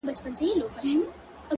د ژوندانه كارونه پاته رانه!!